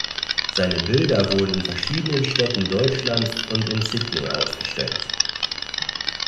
Seine Bilder wurden in verschiedenen Städten Deutschlands und in Sydney ausgestellt.